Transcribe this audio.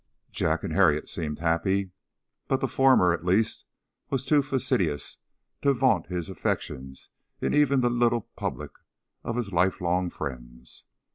Jack and Harriet seemed happy; but the former, at least, was too fastidious to vaunt his affections in even the little public of his lifelong friends.